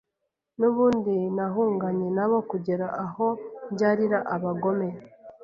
nubundi nahunganye nabo kugera naho mbyarira abagome.